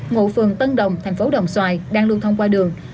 ngụ phường tân đồng thành phố đồng xoài đang lưu thông qua đường